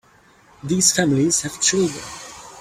These families have children.